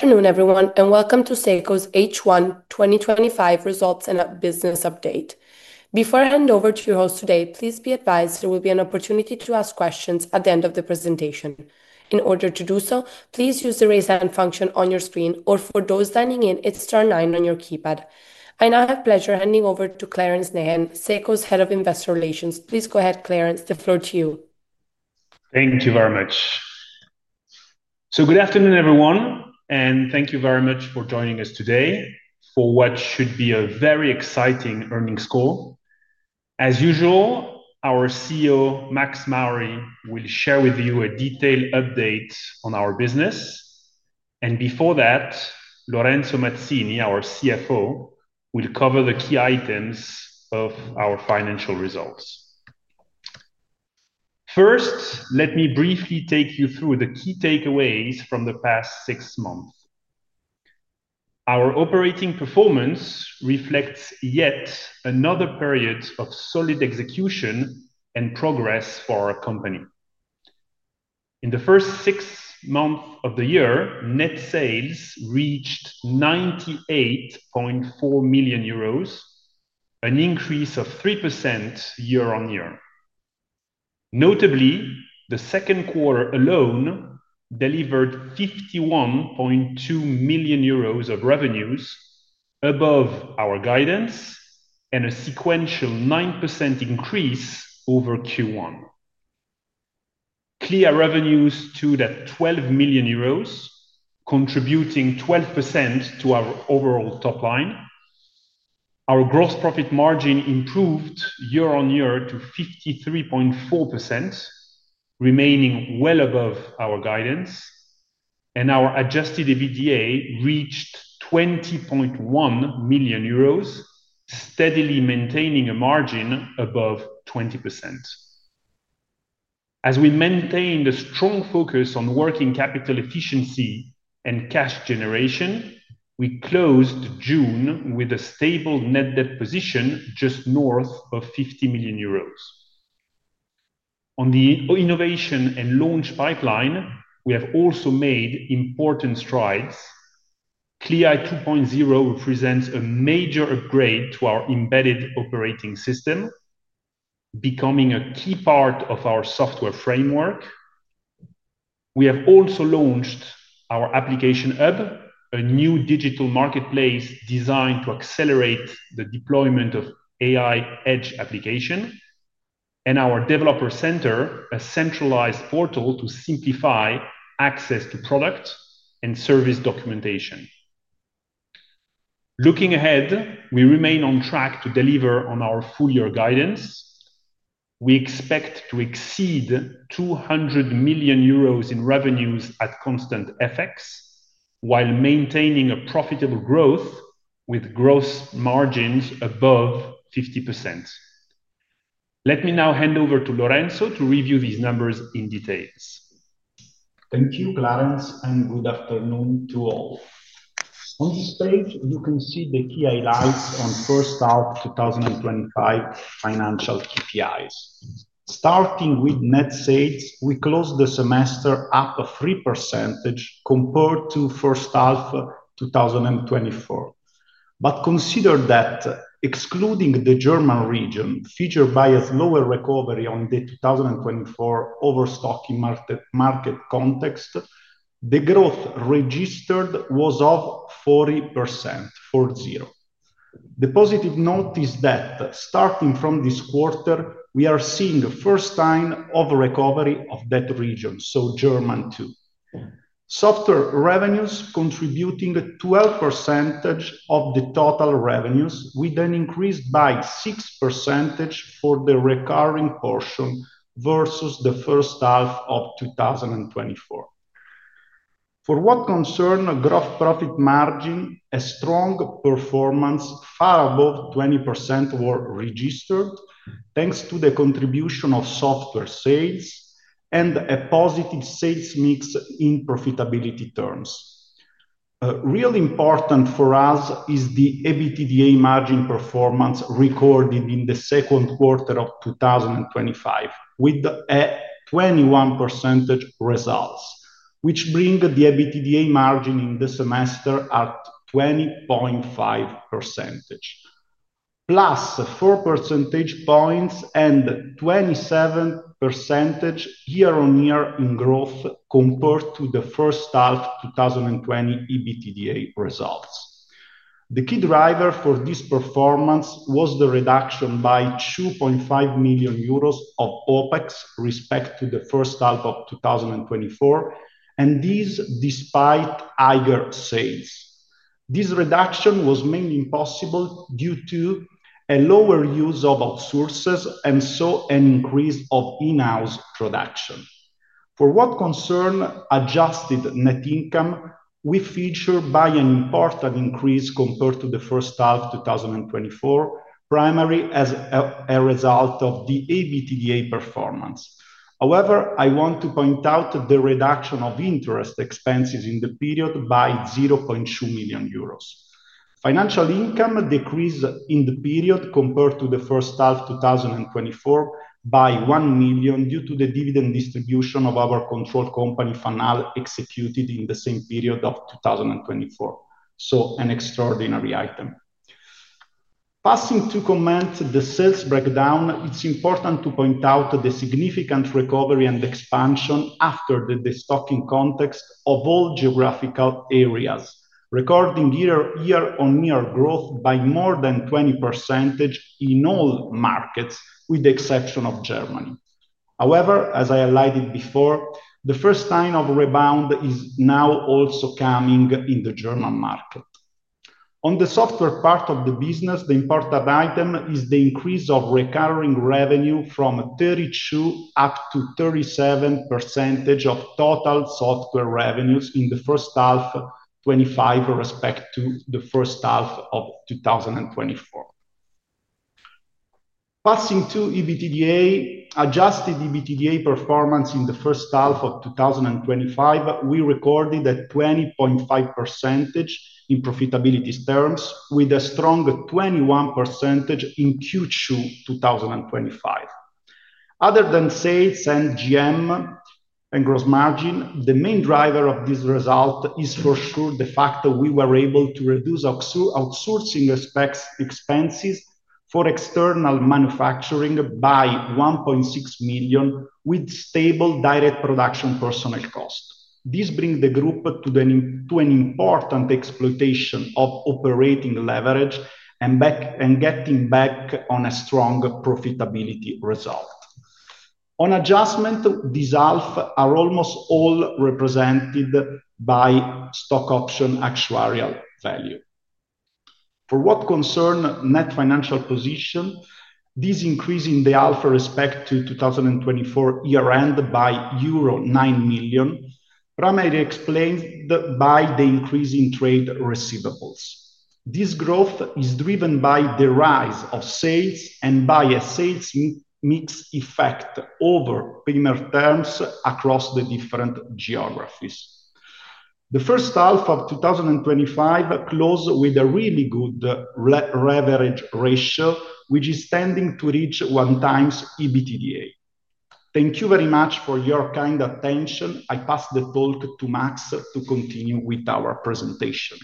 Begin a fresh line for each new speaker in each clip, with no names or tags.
Good afternoon, everyone, and welcome to SECO's H1 2025 Results and Business Update. Before I hand over to your host today, please be advised there will be an opportunity to ask questions at the end of the presentation. In order to do so, please use the raise hand function on your screen, or for those signing in, it's star nine on your keypad. I now have the pleasure of handing over to Clarence Nahan, SECO's Head of Investor Relations. Please go ahead, Clarence, the floor to you.
Thank you very much. Good afternoon, everyone, and thank you very much for joining us today for what should be a very exciting earnings call. As usual, our CEO, Max Mauri, will share with you a detailed update on our business. Before that, Lorenzo Mazzini, our CFO, will cover the key items of our financial results. First, let me briefly take you through the key takeaways from the past six months. Our operating performance reflects yet another period of solid execution and progress for our company. In the first six months of the year, net sales reached 98.4 million euros, an increase of 3% year on year. Notably, the second quarter alone delivered 51.2 million euros of revenues, above our guidance, and a sequential 9% increase over Q1. Clea revenues stood at 12 million euros, contributing 12% to our overall top line. Our gross profit margin improved year on year to 53.4%, remaining well above our guidance, and our adjusted EBITDA reached 20.1 million euros, steadily maintaining a margin above 20%. As we maintained a strong focus on working capital efficiency and cash generation, we closed June with a stable net debt position just north of 50 million euros. On the innovation and launch pipeline, we have also made important strides. Clea 2.0 represents a major upgrade to our embedded operating system, becoming a key part of our software framework. We have also launched our Application Hub, a new digital marketplace designed to accelerate the deployment of AI edge applications, and our Developer Center, a centralized portal to simplify access to product and service documentation. Looking ahead, we remain on track to deliver on our full-year guidance. We expect to exceed 200 million euros in revenues at constant effects, while maintaining a profitable growth with gross margins above 50%. Let me now hand over to Lorenzo to review these numbers in detail.
Thank you, Clarence, and good afternoon to all. On this page, you can see the key highlights on the first half of 2025 financial KPIs. Starting with net sales, we closed the semester up 3% compared to the first half of 2024. Consider that, excluding the German region, featured by a slower recovery on the 2024 overstocking market context, the growth registered was 40%. The positive note is that, starting from this quarter, we are seeing the first sign of recovery of that region, so Germany too. Software revenues contributed 12% of the total revenues, with an increase by 6% for the recurring portion versus the first half of 2024. For what concerns the gross profit margin, a strong performance, far above 20%, was registered thanks to the contribution of software sales and a positive sales mix in profitability terms. Real important for us is the EBITDA margin performance recorded in the second quarter of 2025, with 21% results, which bring the EBITDA margin in the semester at 20.5%. Plus, 4% points and 27% year on year in growth compared to the first half of 2020 EBITDA results. The key driver for this performance was the reduction by 2.5 million euros of OpEx respect to the first half of 2024, and this despite either sales. This reduction was mainly possible due to a lower use of outsources, and so an increase of in-house production. For what concerns adjusted net income, we feature by an important increase compared to the first half of 2024, primarily as a result of the EBITDA performance. However, I want to point out the reduction of interest expenses in the period by 0.2 million euros. Financial income decreased in the period compared to the first half of 2024 by 1 million due to the dividend distribution of our control company Fannal executed in the same period of 2024. An extraordinary item. Passing to comment the sales breakdown, it's important to point out the significant recovery and expansion after the stocking context of all geographical areas, recording year on year growth by more than 20% in all markets, with the exception of Germany. As I highlighted before, the first sign of a rebound is now also coming in the German market. On the software part of the business, the important item is the increase of recurring revenue from 32% up to 37% of total software revenues in the first half of 2025 respect to the first half of 2024. Passing to EBITDA, adjusted EBITDA performance in the first half of 2025, we recorded a 20.5% in profitability terms, with a strong 21% in Q2 2025. Other than sales and GM and gross margin, the main driver of this result is for sure the fact that we were able to reduce outsourcing expenses for external manufacturing by 1.6 million, with stable direct production personnel costs. This brings the group to an important exploitation of operating leverage and getting back on a strong profitability result. On adjustment, these alphas are almost all represented by stock option actuarial value. For what concerns net financial position, this increase in the alpha respect to 2024 year-end by euro 9 million, primarily explained by the increase in trade receivables. This growth is driven by the rise of sales and by a sales mix effect over premier terms across the different geographies. The first half of 2025 closed with a really good leverage ratio, which is tending to reach 1x EBITDA. Thank you very much for your kind attention. I pass the talk to Max to continue with our presentation.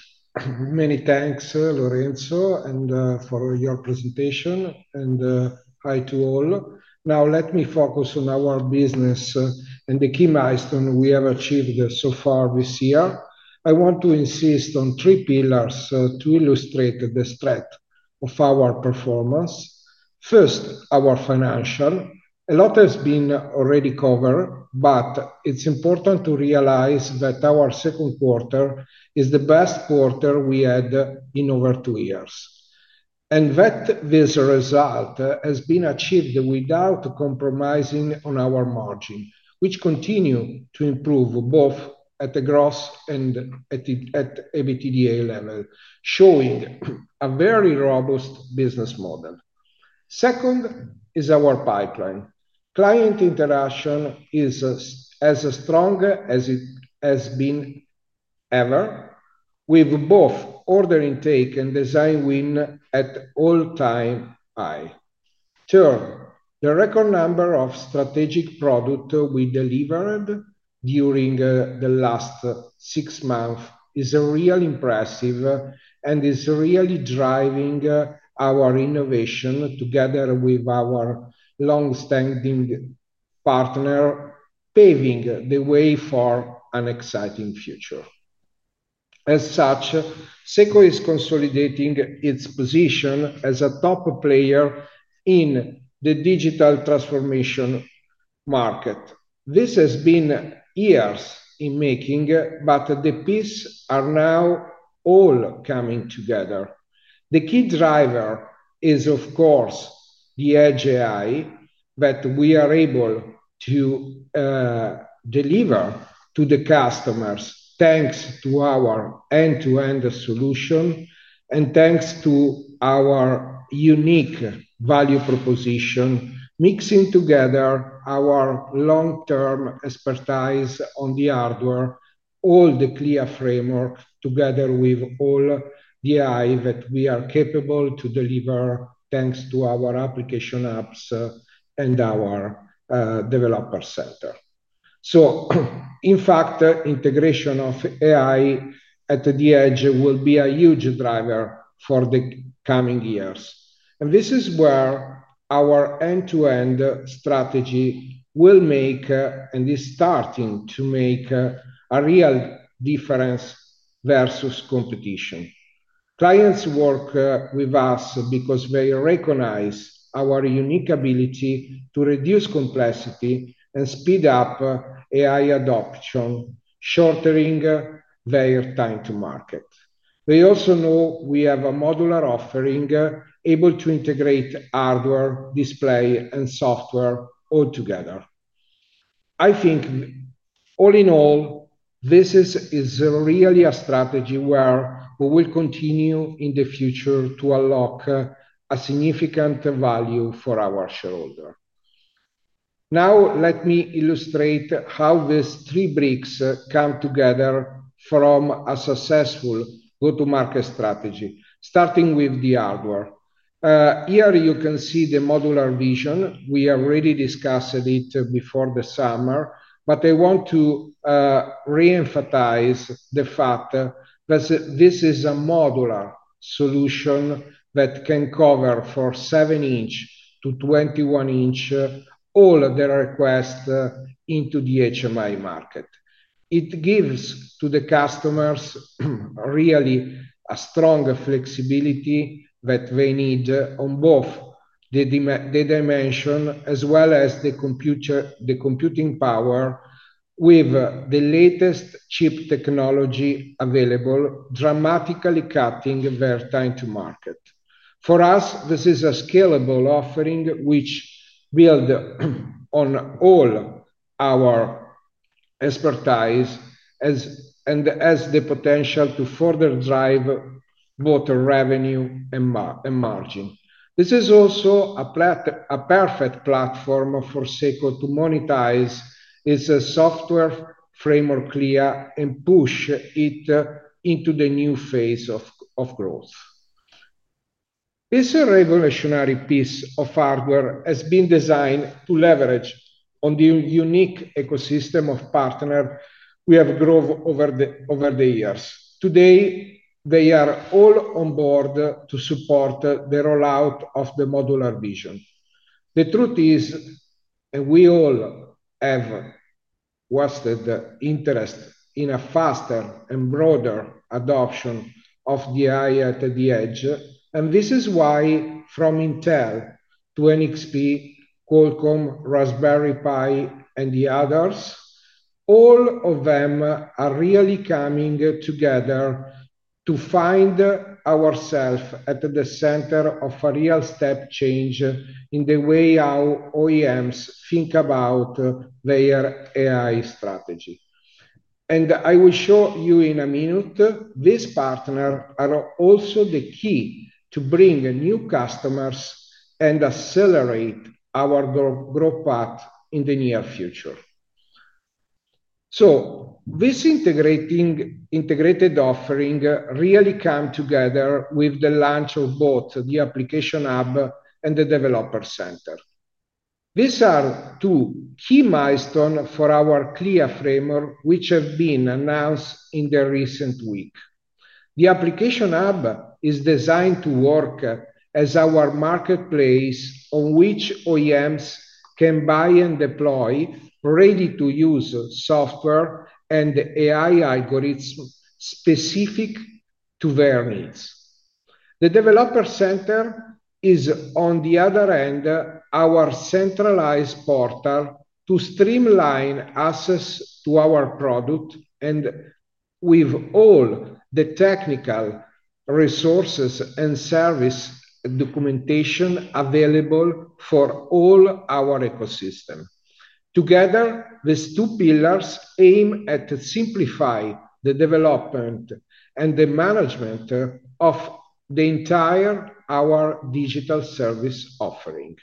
Many thanks, Lorenzo, and for your presentation, and hi to all. Now, let me focus on our business and the key milestones we have achieved so far this year. I want to insist on three pillars to illustrate the strength of our performance. First, our financial. A lot has been already covered, but it's important to realize that our second quarter is the best quarter we had in over two years, and that this result has been achieved without compromising on our margin, which continues to improve both at the gross and at the EBITDA level, showing a very robust business model. Second is our pipeline. Client interaction is as strong as it has been ever, with both order intake and design win at all-time high. Third, the record number of strategic products we delivered during the last six months is really impressive and is really driving our innovation together with our long-standing partner, paving the way for an exciting future. As such, SECO is consolidating its position as a top player in the digital transformation market. This has been years in making, but the pieces are now all coming together. The key driver is, of course, the Edge AI that we are able to deliver to the customers, thanks to our end-to-end solution and thanks to our unique value proposition, mixing together our long-term expertise on the hardware, all the Clea framework together with all the AI that we are capable to deliver, thanks to our application apps and our Developer Center. In fact, integration of AI at the Edge will be a huge driver for the coming years. This is where our end-to-end strategy will make, and is starting to make, a real difference versus competition. Clients work with us because they recognize our unique ability to reduce complexity and speed up AI adoption, shortening their time to market. They also know we have a modular offering able to integrate hardware, display, and software all together. I think, all in all, this is really a strategy where we will continue in the future to unlock a significant value for our shareholder. Now, let me illustrate how these three bricks come together from a successful go-to-market strategy, starting with the hardware. Here, you can see the modular vision. We already discussed it before the summer, but I want to reemphasize the fact that this is a modular solution that can cover from 7-inch to 21-inch all of the requests into the HMI market. It gives to the customers really a strong flexibility that they need on both the dimension as well as the computing power with the latest chip technology available, dramatically cutting their time to market. For us, this is a scalable offering which builds on all our expertise and has the potential to further drive both revenue and margin. This is also a perfect platform for SECO to monetize its software framework Clea and push it into the new phase of growth. This revolutionary piece of hardware has been designed to leverage on the unique ecosystem of partners we have grown over the years. Today, they are all on board to support the rollout of the modular vision. The truth is, we all have vested interest in a faster and broader adoption of the AI at the Edge, which is why from Intel to NXP, Qualcomm, Raspberry Pi, and the others, all of them are really coming together to find ourselves at the center of a real step change in the way our OEMs think about their AI strategy. I will show you in a minute, these partners are also the key to bring new customers and accelerate our growth path in the near future. This integrated offering really comes together with the launch of both the Application Hub and the Developer Center. These are two key milestones for our Clea framework, which have been announced in the recent week. The Application Hub is designed to work as our marketplace on which OEMs can buy and deploy ready-to-use software and AI algorithms specific to their needs. The Developer Center is, on the other end, our centralized portal to streamline access to our product and with all the technical resources and service documentation available for all our ecosystem. Together, these two pillars aim at simplifying the development and the management of the entire our digital service offering.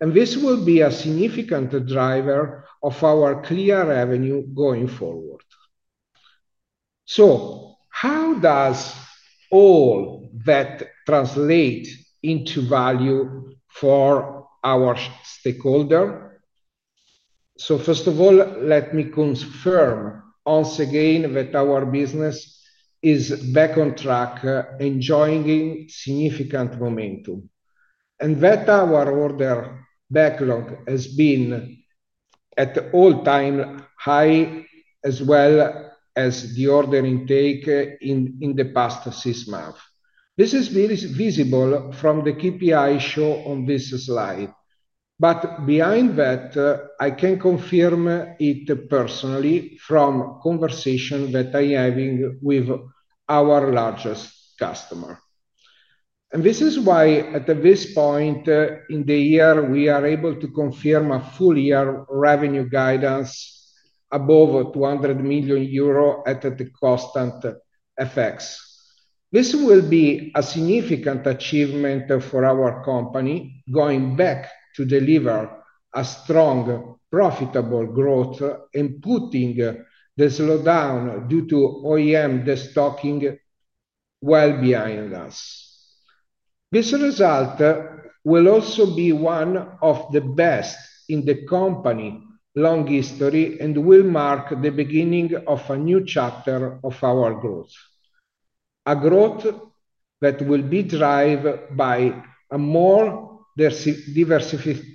This will be a significant driver of our Clea revenue going forward. How does all that translate into value for our stakeholder? First of all, let me confirm once again that our business is back on track and joining significant momentum. Our order backlog has been at all-time high as well as the order intake in the past six months. This is very visible from the KPIs shown on this slide. Behind that, I can confirm it personally from a conversation that I'm having with our largest customer. At this point in the year, we are able to confirm a full-year revenue guidance above 200 million euro at the constant effects. This will be a significant achievement for our company, going back to deliver a strong, profitable growth and putting the slowdown due to OEM stocking well behind us. This result will also be one of the best in the company's long history and will mark the beginning of a new chapter of our growth. A growth that will be driven by a more diversified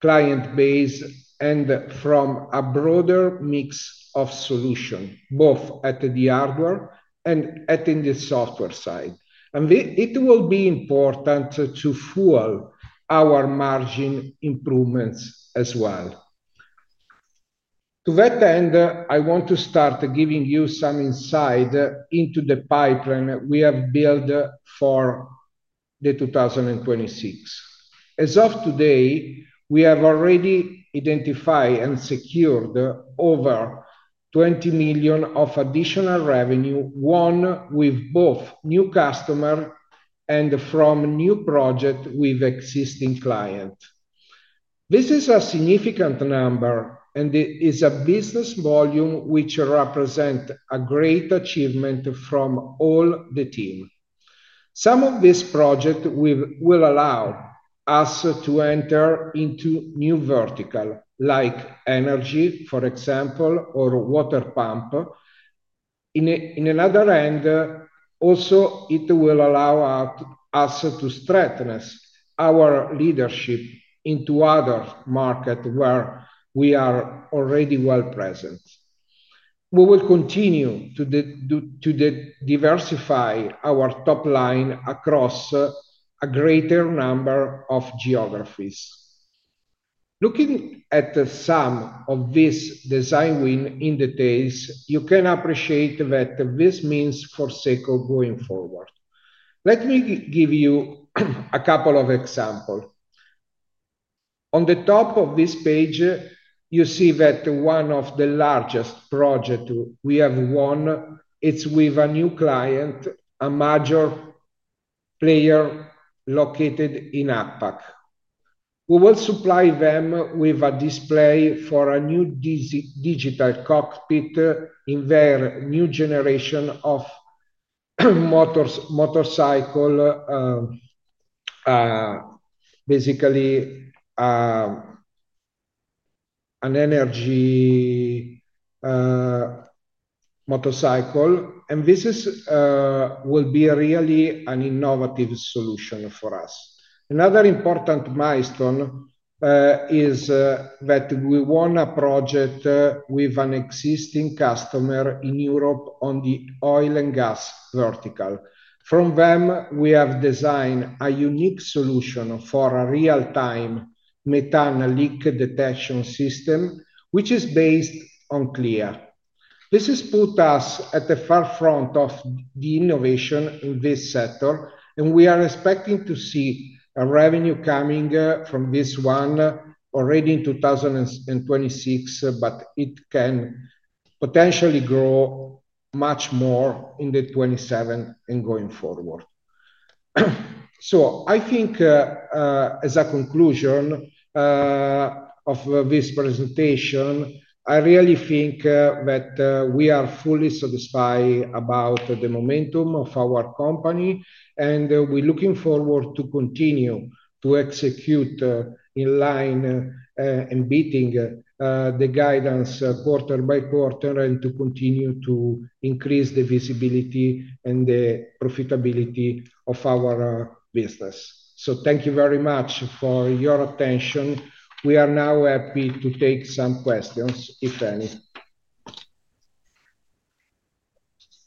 client base and from a broader mix of solutions, both at the hardware and at the software side. It will be important to fuel our margin improvements as well. To that end, I want to start giving you some insight into the pipeline we have built for 2026. As of today, we have already identified and secured over 20 million of additional revenue, won with both new customers and from new projects with existing clients. This is a significant number, and it is a business volume which represents a great achievement from all the team. Some of these projects will allow us to enter into new verticals, like energy, for example, or water pumps. On the other hand, it will also allow us to strengthen our leadership into other markets where we are already well present. We will continue to diversify our top line across a greater number of geographies. Looking at the sum of this design win in the days, you can appreciate what this means for SECO going forward. Let me give you a couple of examples. On the top of this page, you see that one of the largest projects we have won is with a new client, a major player located in APAC. We will supply them with a display for a new digital cockpit in their new generation of motorcycle, basically an energy motorcycle. This will be really an innovative solution for us. Another important milestone is that we won a project with an existing customer in Europe on the oil and gas vertical. For them, we have designed a unique solution for a real-time methane leak detection system, which is based on Clea. This has put us at the forefront of the innovation in this sector, and we are expecting to see revenue coming from this one already in 2026, but it can potentially grow much more in 2027 and going forward. I think as a conclusion of this presentation, I really think that we are fully satisfied about the momentum of our company, and we're looking forward to continue to execute in line and beating the guidance quarter by quarter and to continue to increase the visibility and the profitability of our business. Thank you very much for your attention. We are now happy to take some questions, if any.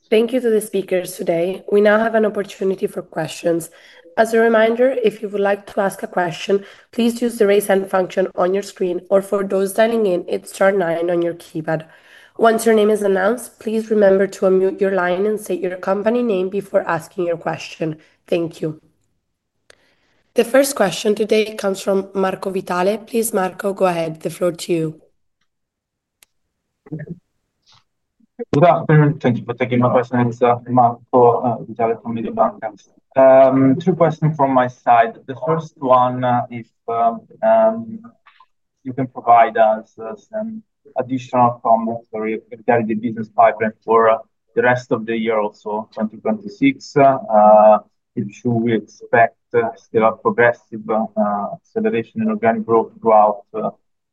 Thank you to the speakers today. We now have an opportunity for questions. As a reminder, if you would like to ask a question, please use the raise hand function on your screen or for those signing in, it's star nine on your keypad. Once your name is announced, please remember to unmute your line and state your company name before asking your question. Thank you. The first question today comes from Marco Vitale. Please, Marco, go ahead. The floor to you.
Good afternoon. Thank you for taking my question and this is Marco for Mediobanca. Two questions from my side. The first one, if you can provide us an additional comment for the business pipeline for the rest of the year, also 2026, which we expect still a progressive acceleration in organic growth throughout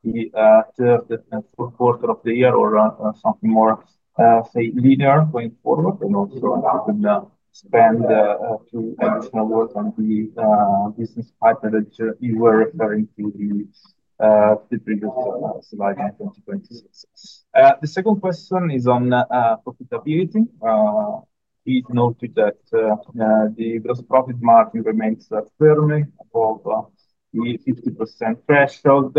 the third and fourth quarter of the year or something more, say, later going forward. I would spend some work on the business pipeline that you were very interested in. The second question is on profitability. It's noted that the gross profit margin remains fairly above the 50% threshold.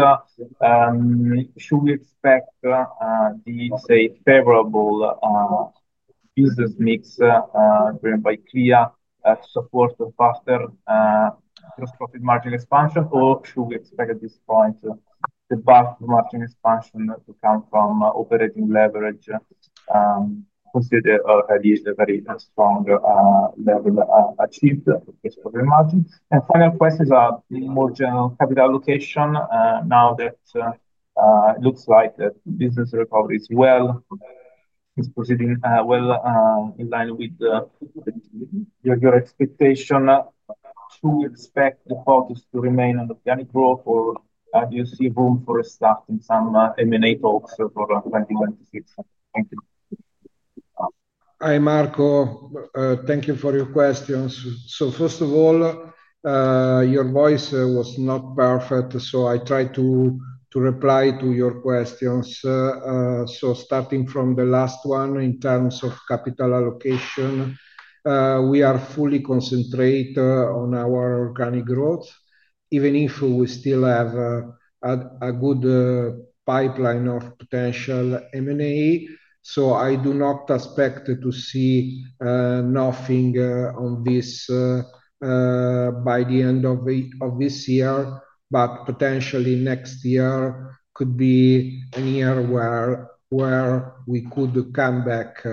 Should we expect a favorable business mix by Clea to support a faster gross profit margin expansion, or should we expect at this point the margin expansion to come from operating leverage considered at least a very strong level achieved? Final questions are more general capital allocation. Now that it looks like the business recovery is well in line with your expectation, should we expect the focus to remain on organic growth, or do you see room for a start in some M&A talks for 2026? Thank you.
Hi, Marco. Thank you for your questions. First of all, your voice was not perfect, so I tried to reply to your questions. Starting from the last one, in terms of capital allocation, we are fully concentrated on our organic growth, even if we still have a good pipeline of potential M&A. I do not expect to see anything on this by the end of this year, but potentially next year could be a year where we could come back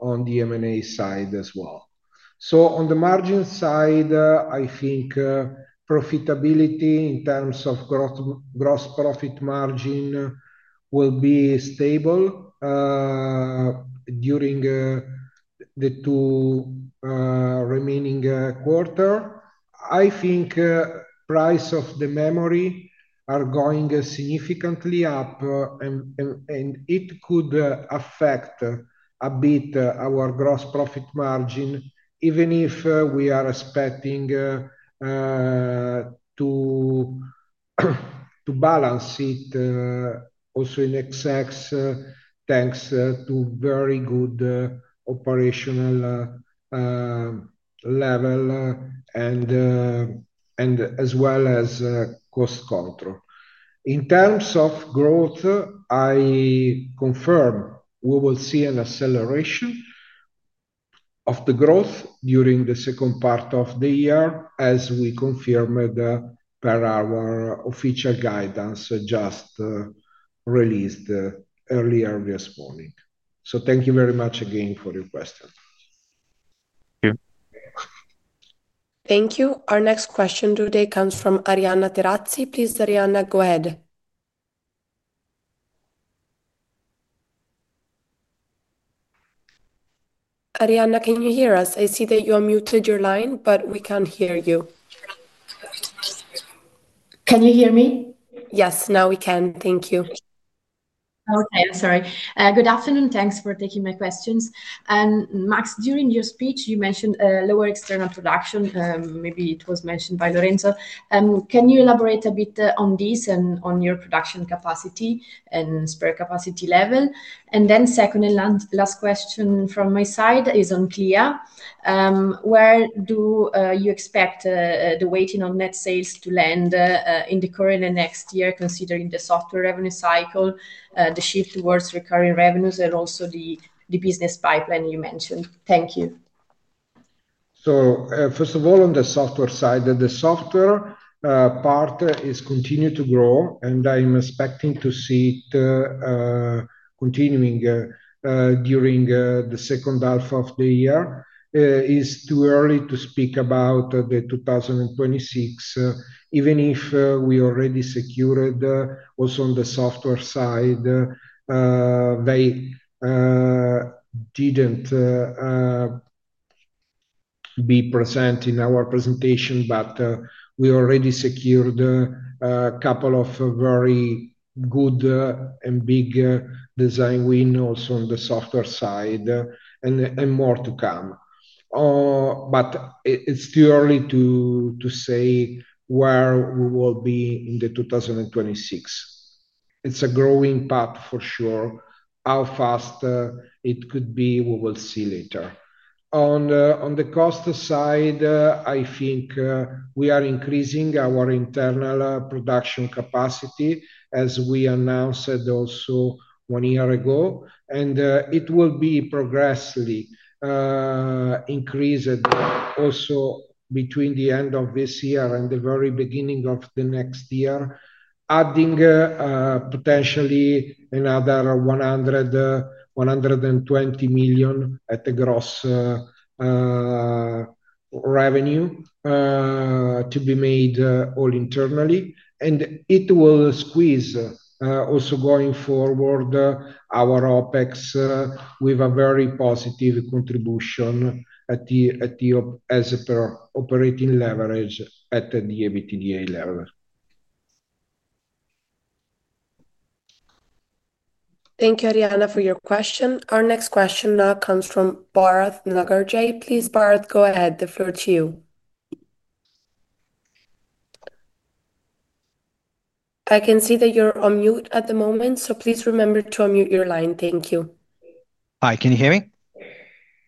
on the M&A side as well. On the margin side, I think profitability in terms of gross profit margin will be stable during the two remaining quarters. I think the price of the memory is going significantly up, and it could affect a bit our gross profit margin, even if we are expecting to balance it also in excess thanks to very good operational level as well as cost control. In terms of growth, I confirm we will see an acceleration of the growth during the second part of the year, as we confirmed per our official guidance just released earlier this morning. Thank you very much again for your question.
Thank you. Our next question today comes from Arianna Terazzi. Please, Arianna, go ahead. Arianna, can you hear us? I see that you unmuted your line, but we can't hear you.
Can you hear me?
Yes, now we can. Thank you.
Okay. Sorry. Good afternoon. Thanks for taking my questions. Max, during your speech, you mentioned lower external production. Maybe it was mentioned by Lorenzo. Can you elaborate a bit on this and on your production capacity and spare capacity level? Second and last question from my side is on Clea. Where do you expect the weighting on net sales to land in the current and next year, considering the software revenue cycle, the shift towards recurring revenues, and also the business pipeline you mentioned? Thank you.
First of all, on the software side, the software part is continuing to grow, and I'm expecting to see it continuing during the second half of the year. It's too early to speak about 2026, even if we already secured also on the software side. They didn't be present in our presentation, but we already secured a couple of very good and big design wins also on the software side, and more to come. It's too early to say where we will be in 2026. It's a growing path for sure. How fast it could be, we will see later. On the cost side, I think we are increasing our internal production capacity, as we announced also one year ago, and it will be progressively increased also between the end of this year and the very beginning of the next year, adding potentially another 100 million, 120 million at the gross revenue to be made all internally. It will squeeze also going forward our OpEx with a very positive contribution as per operating leverage at the EBITDA level.
Thank you, Arianna, for your question. Our next question now comes from BharatH Nagaraj. Please, Bharath, go ahead. The floor to you. I can see that you're on mute at the moment, so please remember to unmute your line. Thank you.
Hi, can you hear me?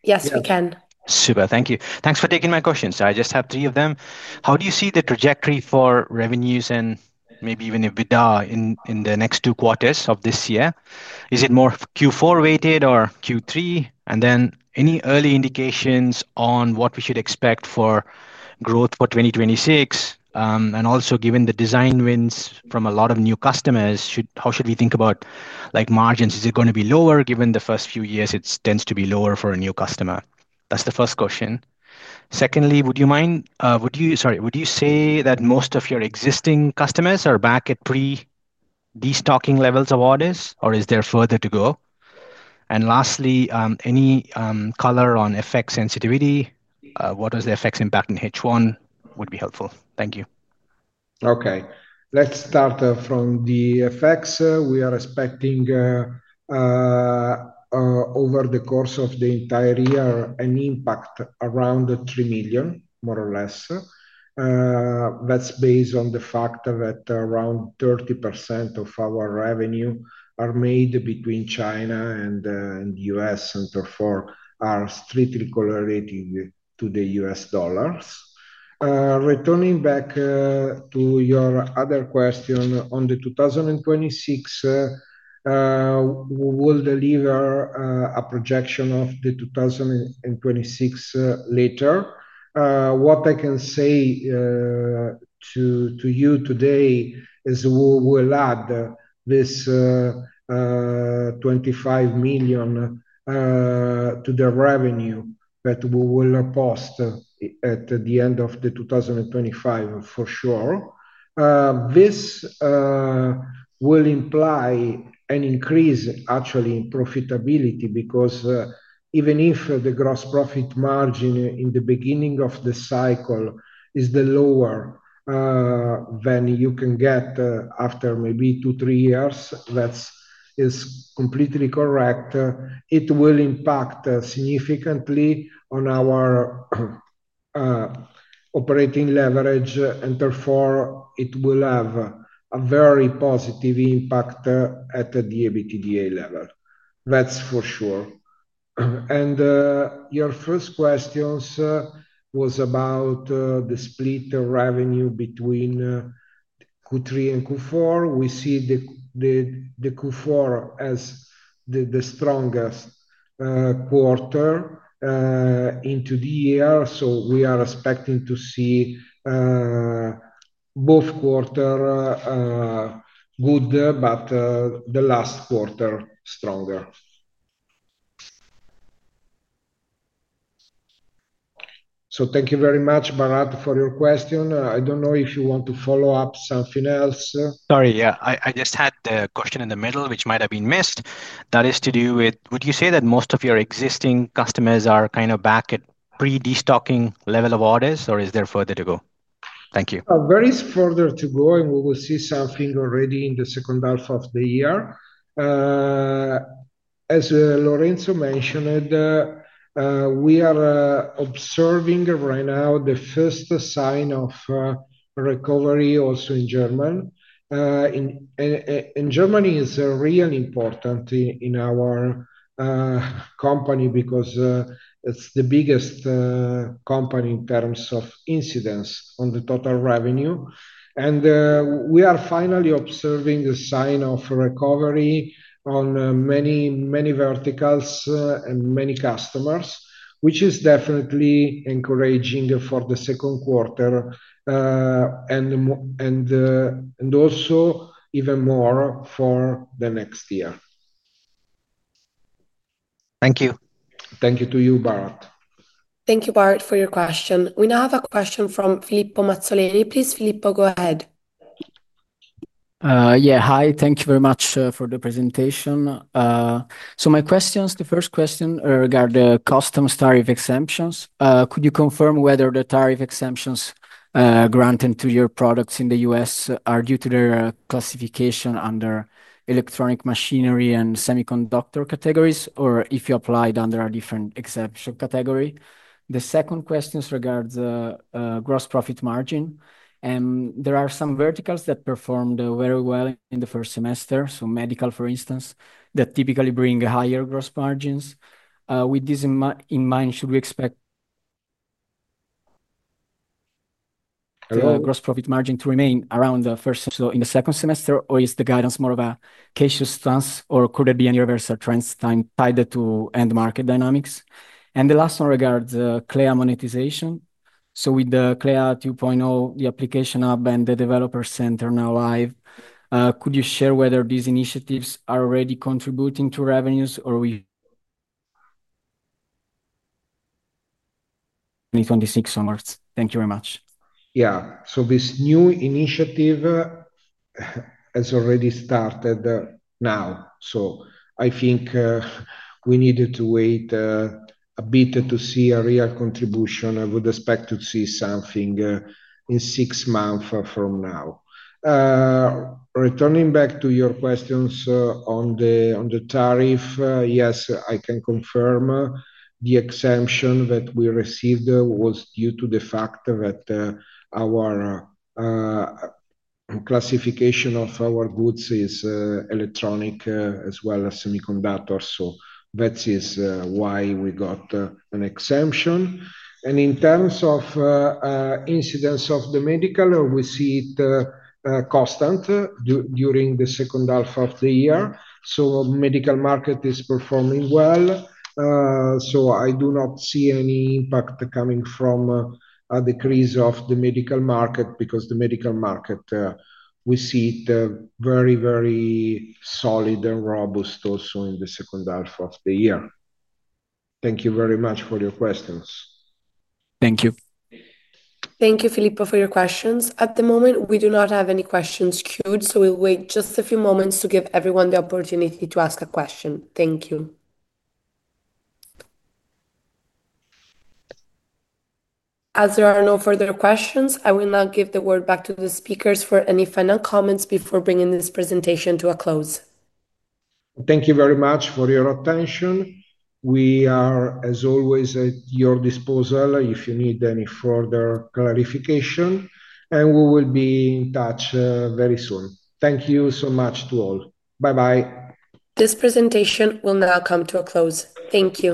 Yes, we can.
Super. Thank you. Thanks for taking my questions. I just have three of them. How do you see the trajectory for revenues and maybe even EBITDA in the next two quarters of this year? Is it more Q4 weighted or Q3? Any early indications on what we should expect for growth for 2026? Given the design wins from a lot of new customers, how should we think about margins? Is it going to be lower? Given the first few years, it tends to be lower for a new customer. That's the first question. Secondly, would you say that most of your existing customers are back at pre-destocking levels of orders, or is there further to go? Lastly, any color on FX sensitivity? What was the FX impact in H1 would be helpful. Thank you.
Okay. Let's start from the FX. We are expecting over the course of the entire year an impact around 3 million, more or less. That's based on the fact that around 30% of our revenue are made between China and the U.S., and therefore are strictly correlated to the U.S. dollars. Returning back to your other question on the 2026, we will deliver a projection of the 2026 later. What I can say to you today is we will add this 25 million to the revenue that we will post at the end of the 2025, for sure. This will imply an increase, actually, in profitability because even if the gross profit margin in the beginning of the cycle is lower than you can get after maybe two, three years, that is completely correct. It will impact significantly on our operating leverage, and therefore, it will have a very positive impact at the EBITDA level. That's for sure. Your first question was about the split revenue between Q3 and Q4. We see the Q4 as the strongest quarter into the year. We are expecting to see both quarters good, but the last quarter stronger. Thank you very much, Bharath, for your question. I don't know if you want to follow up something else.
Sorry. I just had the question in the middle, which might have been missed. That is to do with, would you say that most of your existing customers are kind of back at pre-destocking level of orders, or is there further to go? Thank you.
There is further to go, and we will see something already in the second half of the year. As Lorenzo Mazzini mentioned, we are observing right now the first sign of recovery, also in Germany. Germany is really important in our company because it's the biggest country in terms of incidence on the total revenue. We are finally observing the sign of recovery on many, many verticals and many customers, which is definitely encouraging for the second quarter and also even more for the next year.
Thank you.
Thank you to you, Bharath.
Thank you, Bharath, for your question. We now have a question from Filippo Mazzoleni. Please, Filippo, go ahead.
Yeah. Hi. Thank you very much for the presentation. My questions, the first question regarding the customs tariff exemptions. Could you confirm whether the tariff exemptions granted to your products in the U.S. are due to their classification under electronic machinery and semiconductor categories, or if you applied under a different exemption category? The second question regards the gross profit margin. There are some verticals that performed very well in the first semester, medical, for instance, that typically bring higher gross margins. With this in mind, should we expect the gross profit margin to remain around the first in the second semester, or is the guidance more of a cautious stance, or could there be any reversal trends tied to end market dynamics? The last one regards the Clea monetization. With the Clea 2.0, the Application Hub and the Developer Center now live, could you share whether these initiatives are already contributing to revenues or we need 2026 summers. Thank you very much.
Yeah. This new initiative has already started now. I think we needed to wait a bit to see a real contribution. I would expect to see something in six months from now. Returning back to your questions on the tariff, yes, I can confirm the exemption that we received was due to the fact that our classification of our goods is electronic as well as semiconductors. That is why we got an exemption. In terms of incidents of the medical, we see it constant during the second half of the year. The medical market is performing well. I do not see any impact coming from a decrease of the medical market because the medical market, we see it very, very solid and robust also in the second half of the year. Thank you very much for your questions.
Thank you.
Thank you, Filippo, for your questions. At the moment, we do not have any questions queued, so we'll wait just a few moments to give everyone the opportunity to ask a question. Thank you. As there are no further questions, I will now give the word back to the speakers for any final comments before bringing this presentation to a close.
Thank you very much for your attention. We are, as always, at your disposal if you need any further clarification. We will be in touch very soon. Thank you so much to all. Bye-bye.
This presentation will now come to a close. Thank you.